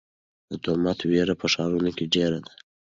د تومت وېره په ښارونو کې ډېره ده.